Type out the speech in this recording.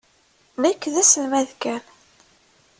Nekk d aselmad kan.